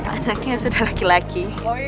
anaknya sudah laki laki